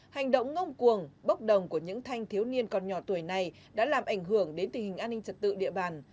hành động ngông cuồng bốc đồng của những thanh thiếu niên còn nhỏ tuổi này đã làm ảnh hưởng đến tình hình an ninh trật tự địa bàn